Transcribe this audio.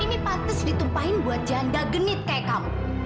ini patis ditumpahin buat janda genit kayak kamu